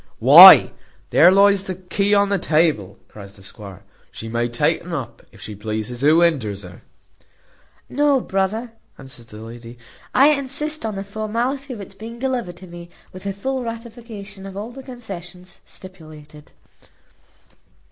"Why, there lies the key on the table," cries the squire. "She may take un up, if she pleases: who hinders her?" "No, brother," answered the lady, "I insist on the formality of its being delivered me, with a full ratification of all the concessions stipulated."